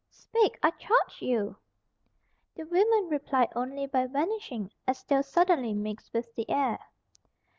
Speak, I charge you!" The women replied only by vanishing, as though suddenly mixed with the air.